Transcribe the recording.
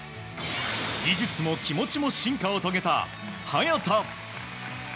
技術も気持ちも進化を遂げた早田。